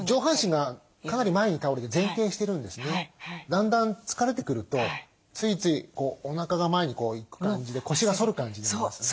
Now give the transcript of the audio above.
だんだん疲れてくるとついついこうおなかが前にこういく感じで腰が反る感じになりますね。